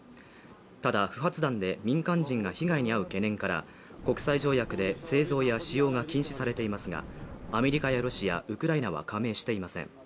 ただ不発弾で民間人が被害に遭う懸念から国際条約で製造や使用が禁止されていますが、アメリカやロシア、ウクライナは加盟していません。